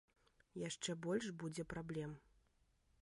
Яшчэ больш будзе праблем.